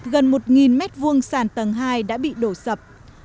gần một m hai sàn tầng hai đã bị đổ sập